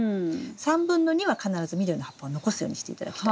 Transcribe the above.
３分の２は必ず緑の葉っぱを残すようにして頂きたい。